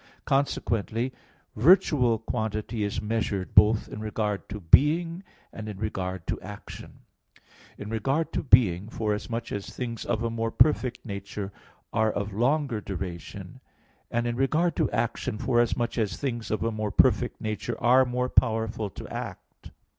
Consequently virtual quantity is measured both in regard to being and in regard to action: in regard to being, forasmuch as things of a more perfect nature are of longer duration; and in regard to action, forasmuch as things of a more perfect nature are more powerful to act.